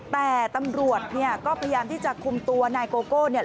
แต่ตำรวจเนี่ยก็พยายามที่จะคุมตัวนายโกโก้เนี่ย